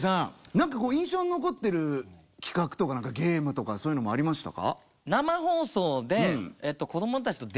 何かこう印象に残ってる企画とか何かゲームとかそういうのもありましたか？